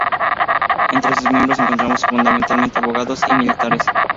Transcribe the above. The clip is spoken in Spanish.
Entre sus miembros encontramos, fundamentalmente, abogados y militares.